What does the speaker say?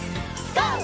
ＧＯ！